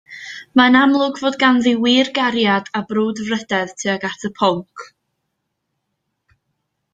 Mae'n amlwg fod ganddi wir gariad a brwdfrydedd tuag at y pwnc